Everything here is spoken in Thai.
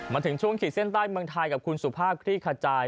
มาถึงช่วงขีดเส้นใต้เมืองไทยกับคุณสุภาพคลี่ขจาย